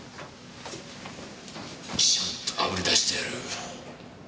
ビシッとあぶり出してやる。